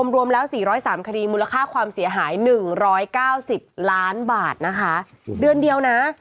รวมแล้ว๔๐๓คดีมูลค่าความเสียหาย๑๙๐ล้านบาทนะคะเดือนเดียวนะ